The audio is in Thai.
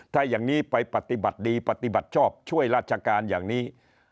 ถ้าอย่างนี้ไปปฏิบัติดีปฏิบัติชอบช่วยราชการอย่างนี้